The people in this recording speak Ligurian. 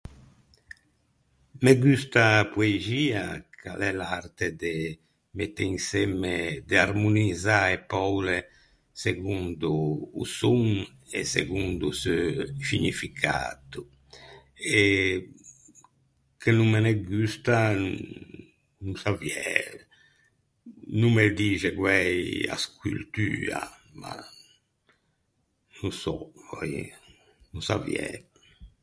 Me gusta a poexia, ch’a l’é l’arte de mette insemme, de armonizzâ e poule segondo o son e segondo o seu scignificato. E che no me ne gusta, no saviæ, no me dixe guæi a scultua, ma no sò pöi, no saviæ.